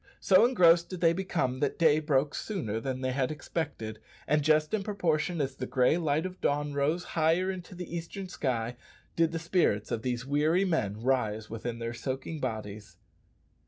So engrossed did they become that day broke sooner than they had expected, and just in proportion as the gray light of dawn rose higher into the eastern sky did the spirits of these weary men rise within their soaking bodies.